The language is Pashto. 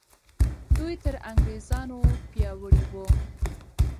دوی تر انګریزانو پیاوړي وو.